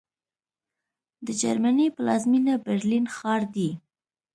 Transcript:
د جرمني پلازمېنه برلین ښار دی